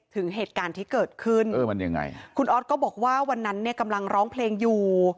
ถึงเหตุการณ์ที่เกิดขึ้นคุณออสก็บอกว่าวันนั้นกำลังร้องเพลงอยู่